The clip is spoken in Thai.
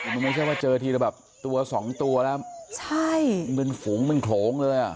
มันไม่ใช่ว่าเจอทีแต่แบบตัวสองตัวแล้วมันฝูงมันโขลงเลย